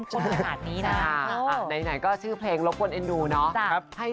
อ้อนอะไรยังไง